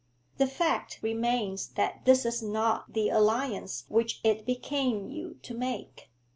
The fact remains that this is not the alliance which it became you to make.